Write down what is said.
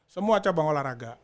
semua cabang olahraga